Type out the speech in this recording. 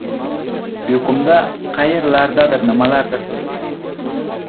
Uyqumda qayerlardadir nimalardir qilib yuraman.